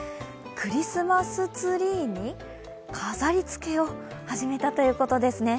クリスマスツリーに飾りつけを始めたということですね。